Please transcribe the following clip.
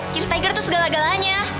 cheers tiger tuh segala galanya